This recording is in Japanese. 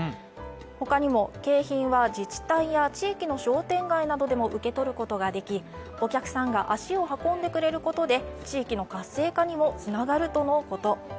他にも景品は自治体や地域の商店街などでも受け取ることができ、お客さんが足を運んでくれることで地域の活性化にもつながるとのこと。